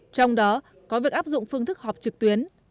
trong đó có việc áp dụng phương thức họp trực tuyến